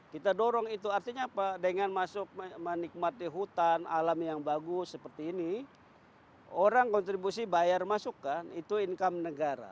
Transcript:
kita dorong itu artinya apa dengan masuk menikmati hutan alam yang bagus seperti ini orang kontribusi bayar masukkan itu income negara